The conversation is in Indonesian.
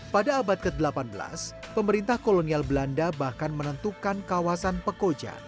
pada abad ke delapan belas pemerintah kolonial belanda bahkan menentukan kawasan pekoja